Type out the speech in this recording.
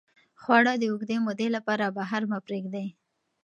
خواړه د اوږدې مودې لپاره بهر مه پرېږدئ.